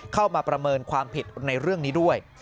ประเมินความผิดในเรื่องนี้ด้วย